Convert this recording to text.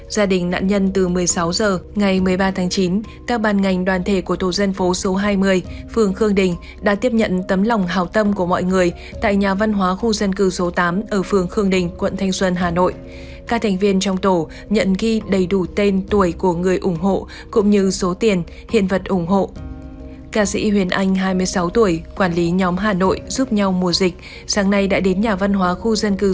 sáng nay đã đến nhà văn hóa khu dân cư số tám ủng hộ các nạn nhân